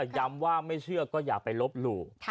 ย้ำว่าไม่เชื่อก็อย่าไปลบหลู่